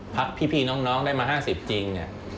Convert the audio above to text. พี่น้องได้มา๕๐จริง